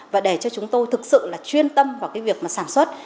và để cho chúng tôi thực sự là chuyên tâm vào cái việc mà sản xuất